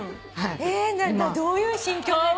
えどういう心境で。